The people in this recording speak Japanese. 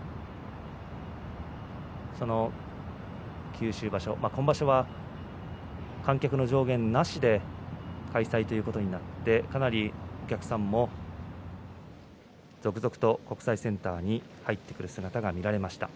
九州場所、今場所は観客の上限なしで開催ということになってかなりお客さんも続々と国際センターに入ってくる姿が見られました。